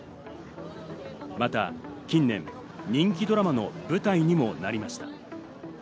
また近年、人気ドラマの舞台にもなりました。